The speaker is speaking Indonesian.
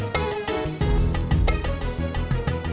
plings kna nau prestasi puber